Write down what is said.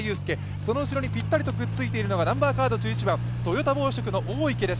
その後ろにぴったりとくっているのが、１１番のトヨタ紡織の大池です。